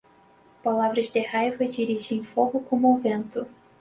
Palavras de raiva dirigem fogo como o vento.